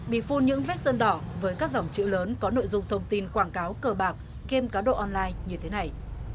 bị phun những vết sơn đỏ với các dòng chữ lớn có nội dung thông tin quảng cáo cờ bạc game cá độ online như thế này